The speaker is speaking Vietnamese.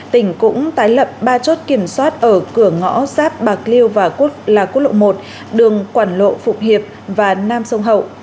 tỉnh cũng tái lập ba chốt kiểm soát ở cửa ngõ giáp bạc liêu và quốc lộ một đường quảng lộ phục hiệp và nam sông hậu